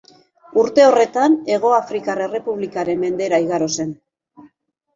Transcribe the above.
Urte horretan, Hegoafrikar Errepublikaren mendera igaro zen.